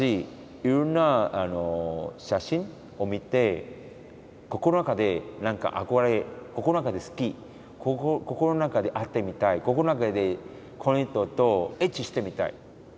いろんな写真を見て心の中で憧れ心の中で好き心の中で会ってみたい心の中でこの人とエッチしてみたい。